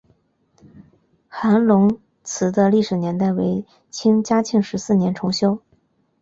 韩泷祠的历史年代为清嘉庆十四年重修。